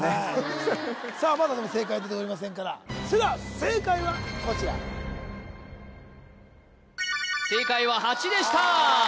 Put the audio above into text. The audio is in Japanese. まだでも正解出ておりませんからそれでは正解はこちら正解は８でした！